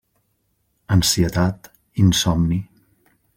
Ansietat, insomni.